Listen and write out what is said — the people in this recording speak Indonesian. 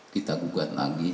kita buat lagi